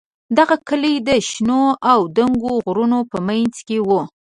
دغه کلی د شنو او دنګو غرونو په منځ کې و.